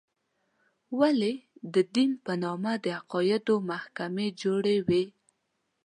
ولې د دین په نامه د عقایدو محکمې جوړې وې.